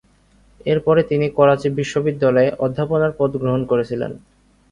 এর পরে তিনি করাচি বিশ্ববিদ্যালয়ে অধ্যাপনার পদ গ্রহণ করেছিলেন।